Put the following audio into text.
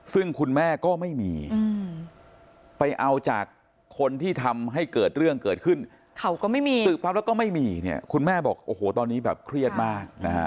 ซึ่งคุณแม่ก็ไม่มีไปเอาจากคนที่ทำให้เกิดเรื่องเกิดขึ้นเขาก็ไม่มีสืบทรัพย์แล้วก็ไม่มีเนี่ยคุณแม่บอกโอ้โหตอนนี้แบบเครียดมากนะฮะ